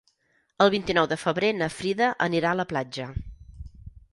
El vint-i-nou de febrer na Frida anirà a la platja.